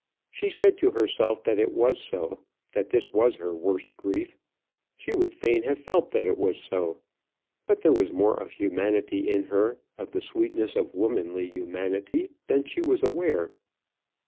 She said to herself that it was so, that this was her worst grief; she would fain have felt that it was so; but there was more of humanity in her, of the sweetness of womanly humanity, than she was aware.